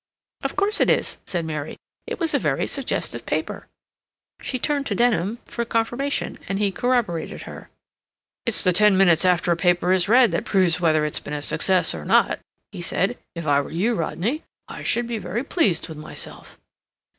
"Of course it is," said Mary. "It was a very suggestive paper." She turned to Denham for confirmation, and he corroborated her. "It's the ten minutes after a paper is read that proves whether it's been a success or not," he said. "If I were you, Rodney, I should be very pleased with myself."